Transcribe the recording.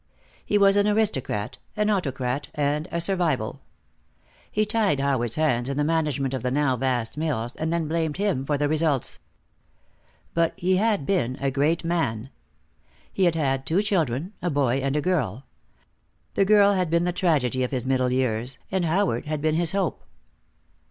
He was an aristocrat, an autocrat, and a survival. He tied Howard's hands in the management of the now vast mills, and then blamed him for the results. But he had been a great man. He had had two children, a boy and a girl. The girl had been the tragedy of his middle years, and Howard had been his hope.